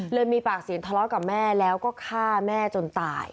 มีปากเสียงทะเลาะกับแม่แล้วก็ฆ่าแม่จนตาย